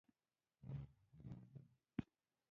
بوټونه کله چرمین وي.